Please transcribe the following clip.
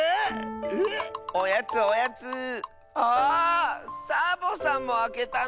サボさんもあけたの⁉